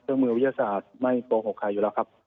เครื่องมือวิทยาศาสตร์ไม่โปรหกใครอยู่แล้วครับ